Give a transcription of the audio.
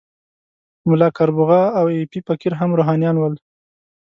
ملا کربوغه او ایپی فقیر هم روحانیون ول.